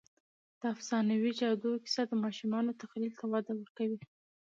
د افسانوي جادو کیسه د ماشومانو تخیل ته وده ورکوي.